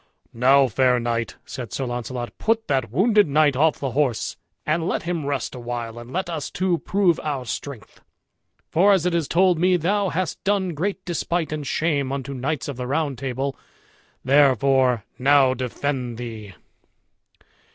"Now, fair knight," said Sir Launcelot, "put that wounded knight off the horse, and let him rest awhile, and let us two prove our strength. For, as it is told me, thou hast done great despite and shame unto knights of the Round Table, therefore now defend thee."